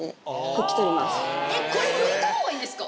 これ拭いたほうがいいんですか？